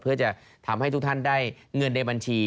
เพื่อจะทำให้ทุกท่านได้เงินในบัญชี